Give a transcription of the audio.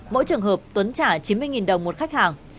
mỗi trường hợp tuấn trả chín mươi đồng một khách hàng